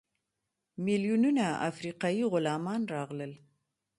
میلیونونه افریقایي غلامان راغلل.